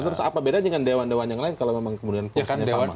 terus apa bedanya dengan dewan dewan yang lain kalau memang kemudian kursinya sama